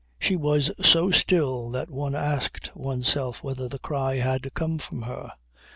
She was so still that one asked oneself whether the cry had come from her.